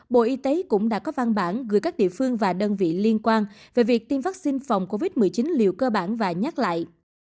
bộ y tế cũng đã có văn bản gửi các địa phương và đơn vị liên quan về việc tiêm vaccine phòng covid một mươi chín liều cơ bản và nhắc lại